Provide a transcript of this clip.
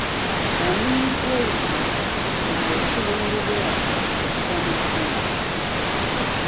Omunnyu ogw'olusa gw'egwo ogukenenulibwa okuva mu bbumba